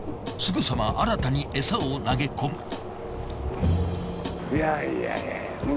すぐさま新たにエサを投げ込む。